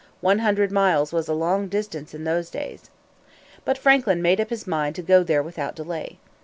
One hundred miles was a long distance in those days. But Franklin made up his mind to go there without delay.